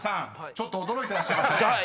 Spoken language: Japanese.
ちょっと驚いてらっしゃいましたね］